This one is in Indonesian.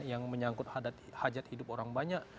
yang menyangkut hajat hidup orang banyak